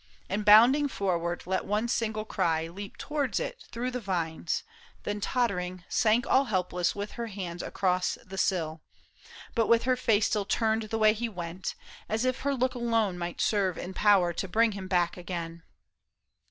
And bounding forward, let one single cry Leap towards it through the vines, then tottering, sank All helpless with her hands across the sill. But with her face still turned the way he went. As if her look alone might serve in power To bring him back again.